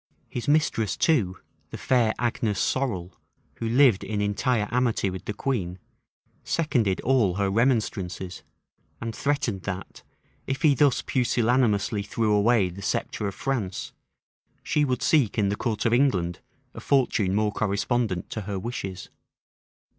His mistress too, the fair Agnes Sorel, who lived in entire amity with the queen, seconded all her remonstrances, and threatened that, if he thus pusillanimously threw away the sceptre of France, she would seek in the court of England a fortune more correspondent to her wishes.